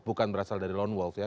bukan berasal dari lone wolf ya